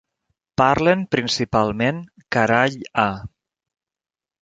Parlen principalment karay-a.